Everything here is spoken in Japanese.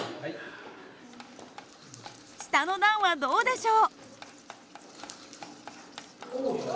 下の段はどうでしょう。